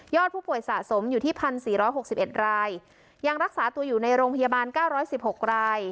ยอดผู้ป่วยสะสมอยู่ที่พันสี่ร้อยหกสิบเอ็ดรายยังรักษาตัวอยู่ในโรงพยาบาลเก้าร้อยสิบหกราย